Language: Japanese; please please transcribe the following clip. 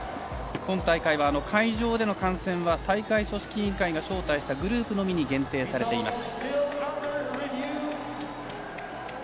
今大会は会場での観戦は大会組織委員会が招待したグループのみに限定されています。